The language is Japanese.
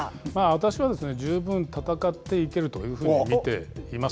私は、十分戦っていけるというふうに見ています。